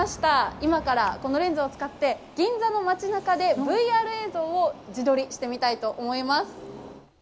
今からこのレンズを使って銀座の街なかでＶＲ映像を自撮りしてみたいと思います。